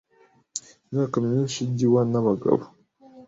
imyaka myinshi igiwa nabagabo